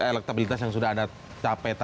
elektabilitas yang sudah anda capai